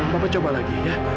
pak pak coba lagi ya